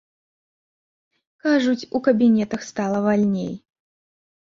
Кажуць, у кабінетах стала вальней.